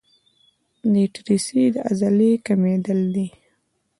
د ایټریسي د عضلې کمېدل دي.